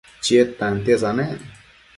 Chied tantiesa nec